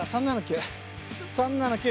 ３７９！